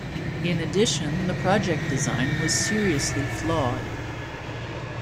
In addition the project design was seriously flawed.